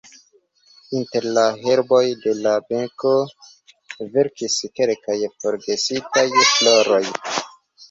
Inter la herboj de la benko velkis kelkaj forgesitaj floroj.